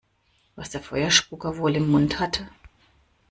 Was der Feuerspucker wohl im Mund hatte?